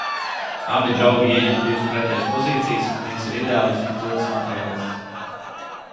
Abi draugi ieņem divas pretējas pozīcijas – viens ir ideālists, bet otrs – materiālists.